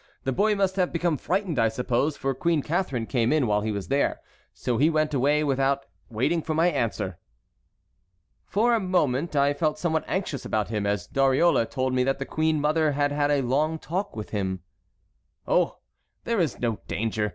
The boy must have become frightened, I suppose, for Queen Catharine came in while he was there, so he went away without waiting for my answer." "For a moment I felt somewhat anxious about him, as Dariole told me that the queen mother had had a long talk with him." "Oh! there is no danger.